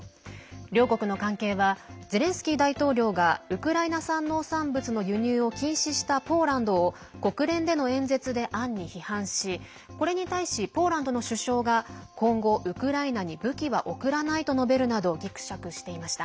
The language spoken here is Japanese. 両国の関係はゼレンスキー大統領がウクライナ産農産物の輸入を禁止したポーランドを国連での演説で暗に批判しこれに対し、ポーランドの首相が今後、ウクライナに武器は送らないと述べるなどぎくしゃくしていました。